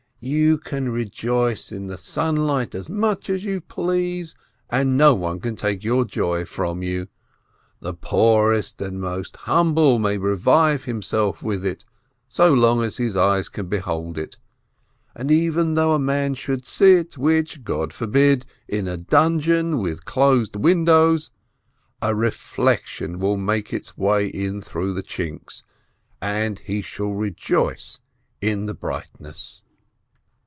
You can rejoice in the sunlight as much as you please, and no one can take your joy from you; the poorest and most humble may revive himself with it, so long as his eyes can behold it, and even though a man should sit, which God forbid, THE SINNER 535 in a dungeon with closed windows, a reflection will make its way in through the chinks, and he shall rejoice in the brightness.